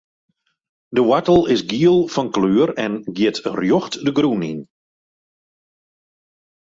De woartel is giel fan kleur en giet rjocht de grûn yn.